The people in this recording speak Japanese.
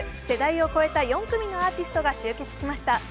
世代を超えた４組のアーティストが集結しました。